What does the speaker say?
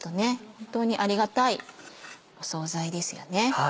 本当にありがたいお総菜ですよね。